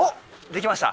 できました？